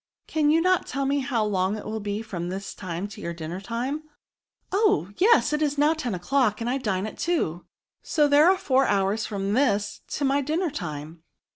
" Cannot you tell me how long it will be from this time to your dinner time ?"*' Oh ! yes ; it is now ten o'clock, and I dine at two, so there are four hours from this to my dinner time."